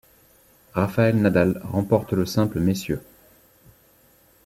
Rafael Nadal remporte le simple messieurs.